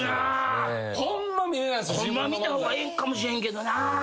ホンマは見た方がええんかもしれんけどなぁ。